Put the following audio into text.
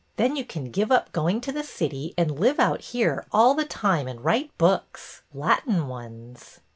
Then you can give up going to the city and live out here all the time and write books, — Latin ones.